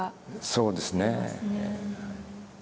そうですね。